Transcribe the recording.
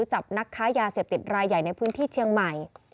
จับนักค้ายาเสพติดรายใหญ่ในพื้นที่เชียงใหม่